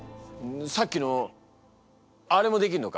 さっきのあれもできるのか？